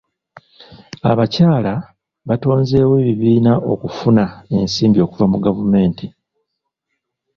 Abakyala batonzeewo ebibiina okufuna ensimbi okuva mu gavumenti.